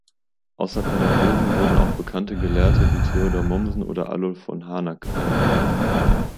Außer Pädagogen wurden auch bekannte Gelehrte wie Theodor Mommsen oder Adolf von Harnack eingeladen.